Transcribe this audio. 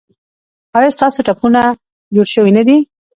ایا ستاسو ټپونه جوړ شوي نه دي؟